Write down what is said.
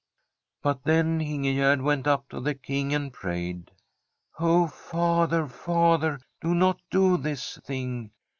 * But then Ingegerd went up to the King, and prayed : *"Oh, father, father! do not do this thing.